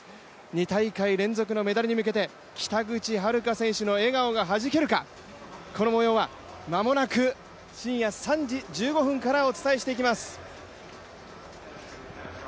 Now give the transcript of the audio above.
２大会連続のメダルに向けて北口榛花選手の笑顔がはじけるか、この模様は間もなく深夜３時１５分からお伝えしていきます。